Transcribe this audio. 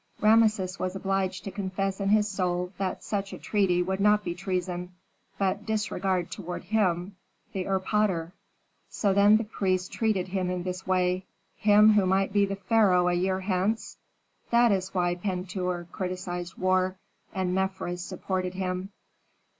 Rameses was obliged to confess in his soul that such a treaty would not be treason, but disregard toward him, the erpatr. So then the priests treated him in this way, him who might be the pharaoh a year hence? That is why Pentuer criticised war, and Mefres supported him.